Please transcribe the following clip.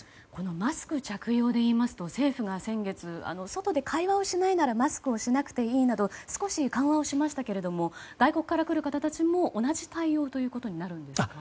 マスク着用で言いますと政府が先月外で会話をしないならマスクをしないでいいなど少し緩和しましたけども外国から来る方たちも同じ対応ということになるんでしょうか。